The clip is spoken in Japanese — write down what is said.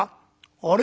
「あれ？